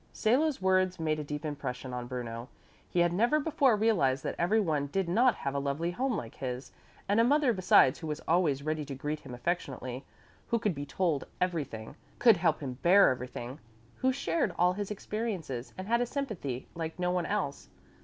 Salo's words made a deep impression on Bruno. He had never before realized that everyone did not have a lovely home like his, and a mother besides who was always ready to greet him affectionately, who could be told everything, could help him bear everything, who shared all his experiences and had a sympathy like no one else.